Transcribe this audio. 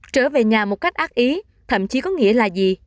trở về nhà một cách ác ý thậm chí có nghĩa là gì